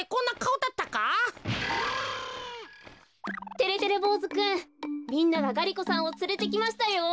てれてれぼうずくんみんながガリ子さんをつれてきましたよ。